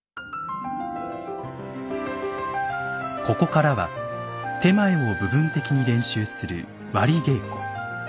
ここからは点前を部分的に練習する「割り稽古」。